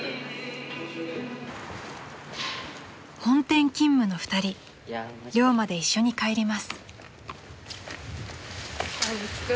［本店勤務の２人寮まで一緒に帰ります］